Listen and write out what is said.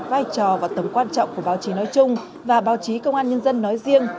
vai trò và tầm quan trọng của báo chí nói chung và báo chí công an nhân dân nói riêng